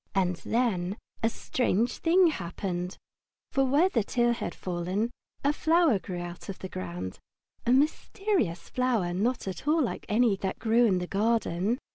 And then a strange thing happened. For where the tear had fallen a flower grew out of the ground, a mysterious flower, not at all like any that grew in the garden.